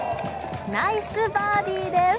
ナイスバーディーです。